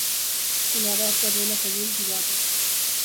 ان عادات پہ رونا فضول کی بات ہے۔